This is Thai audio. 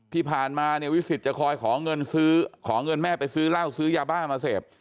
ที่ผ่านมาเนี่ยวิสิตจะคอยขอเงินซื้อขอเงินแม่ไปซื้อเหล้าซื้อยาบ้ามาเสพ